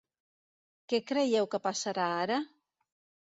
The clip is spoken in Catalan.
Què creieu que passarà ara?